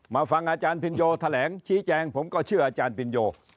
ฟังอาจารย์พินโยแถลงชี้แจงผมก็เชื่ออาจารย์ปินโย